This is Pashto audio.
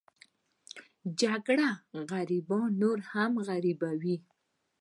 جګړه غریبان نور هم غریبوي